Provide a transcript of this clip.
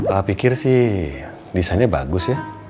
saya pikir sih desainnya bagus ya